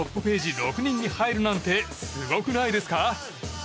６人に入るなんてすごくないですか。